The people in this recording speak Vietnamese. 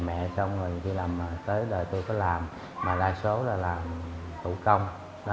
mẹ xong rồi tới đời tôi có làm mà đa số là làm thủ công